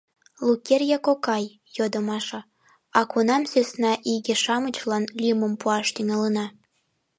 — Лукерья кокай, — йодо Маша, — а кунам сӧсна иге-шамычлан лӱмым пуаш тӱҥалына?